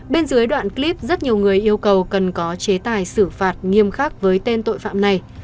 bên dưới đoạn clip rất nhiều người yêu cầu cần có chế tài xử phạt nghiêm khắc với tên tội phạm này